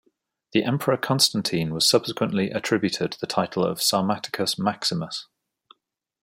The emperor Constantine was subsequently attributed the title of "Sarmaticus Maximus".